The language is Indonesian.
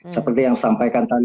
seperti yang sampaikan tadi